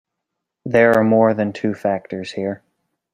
There are more than two factors here.